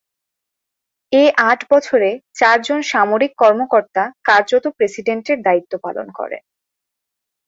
এ আট বছরে চারজন সামরিক কর্মকর্তা কার্যত প্রেসিডেন্টের দায়িত্ব পালন করেন।